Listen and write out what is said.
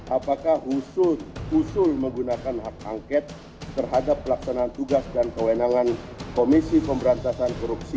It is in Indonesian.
apakah usul usul menggunakan hak angket terhadap pelaksanaan tugas dan kewenangan komisi pemberantasan korupsi